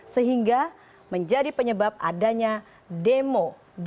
sehingga menjadi penyebab adanya demo dua ratus dua belas